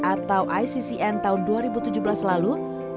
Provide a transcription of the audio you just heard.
atau iccn tahun dua ribu tujuh belas lalu